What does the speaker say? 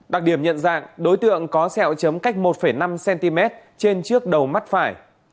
đặc điểm nhận dạng đối tượng có sẹo chấm cách một năm cm trên trước đầu mắt phải